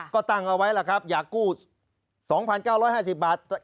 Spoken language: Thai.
ก็ตั้งเอาไว้ล่ะครับอยากกู้๒๙๕๐บาท